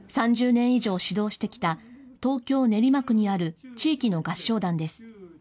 ３０年以上指導してきた、東京・練馬区にある地域の合唱団です。